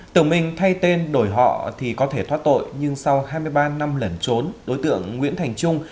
tự mình thay tên đổi họ thì có thể thoát tội nhưng sau hai mươi ba năm lẩn trốn đối tượng nguyễn thành trung